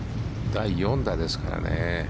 第４打ですからね。